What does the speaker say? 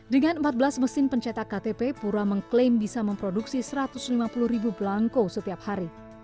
dengan empat belas mesin pencetak ktp pura mengklaim bisa memproduksi satu ratus lima puluh ribu belangko setiap hari